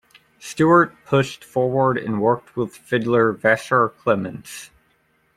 Stuart pushed forward and worked with fiddler Vassar Clements.